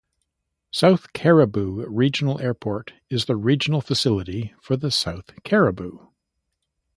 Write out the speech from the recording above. South Cariboo Regional Airport is the regional facility for the South Cariboo.